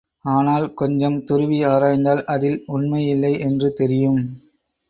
ஆனால் கொஞ்சம் துருவி ஆராய்ந்தால் அதில் உண்மையில்லை என்று தெரியும்.